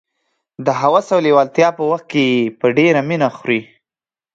د هوس او لېوالتیا په وخت کې په ډېره مینه یې خوري.